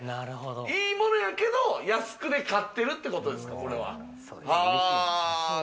ええものやけど安くて買ってるってことですか。